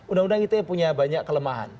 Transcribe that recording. undang undang ite punya banyak kelemahan